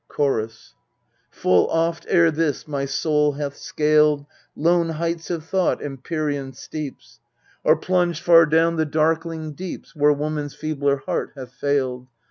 CHORUS i Full oft ere this my soul hath scaled Lone heights of thought, empyreal steeps, Or plunged far down the darkling deeps, Where woman's feebler heart hath failed.